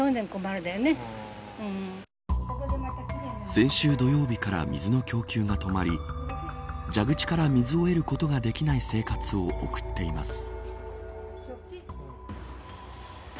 先週土曜日から水の供給が止まり蛇口から水を得ることができない生活を送っています。